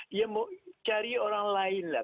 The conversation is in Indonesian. dia mau cari orang lain lah